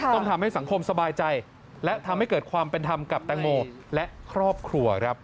ต้องทำให้สังคมสบายใจและทำให้เกิดความเป็นธรรมกับแตงโมและครอบครัวครับ